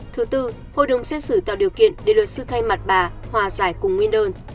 thứ tư hội đồng xét xử tạo điều kiện để luật sư thay mặt bà hòa giải cùng nguyên đơn